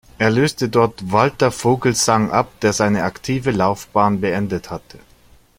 Er löste dort Walter Vogelsang ab, der seine aktive Laufbahn beendet hatte.